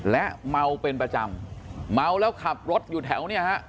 และเมาเป็นประจำเมาแล้วขับรถอยู่แถวเนี่ยฮะ